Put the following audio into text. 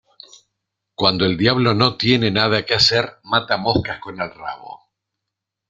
Cuando el diablo no tiene nada que hacer mata moscas con el rabo.